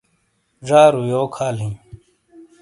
ڙارو۔ یوک حال ہی؟